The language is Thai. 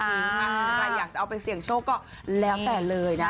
ใครอยากจะเอาไปเสี่ยงโชคก็แล้วแต่เลยนะ